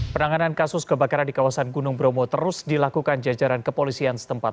penanganan kasus kebakaran di kawasan gunung bromo terus dilakukan jajaran kepolisian setempat